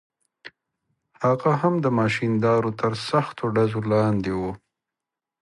هغه هم د ماشیندارو تر سختو ډزو لاندې و.